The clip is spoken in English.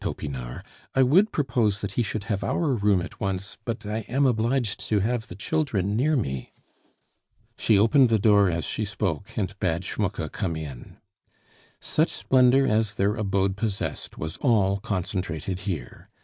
Topinard. "I would propose that he should have our room at once, but I am obliged to have the children near me." She opened the door as she spoke, and bade Schmucke come in. Such splendor as their abode possessed was all concentrated here.